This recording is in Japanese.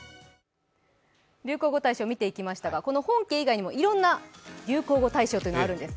流行語大賞を見ていきましたが本家以外にもいろんな流行語大賞があるんです。